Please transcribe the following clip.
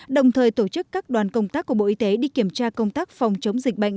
đồng thời tổ chức các đoàn công tác của bộ y tế đi kiểm tra công tác phòng chống dịch bệnh